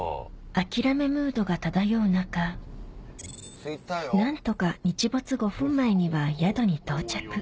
諦めムードが漂う中何とか日没５分前には宿に到着